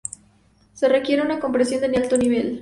Se requiere una comprensión de alto nivel.